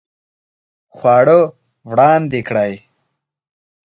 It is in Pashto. خواړه وړاندې کړئ